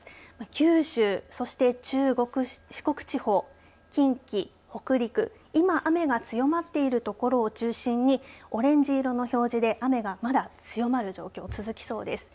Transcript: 九州、そして中国四国地方近畿、北陸、今雨が強まっている所を中心にオレンジ色の表示で雨がまだ強まる状況続きそうです。